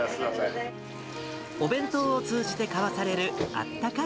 お弁当を通じて交わされるあったかい